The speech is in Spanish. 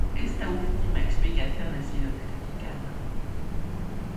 Esta última explicación ha sido criticada.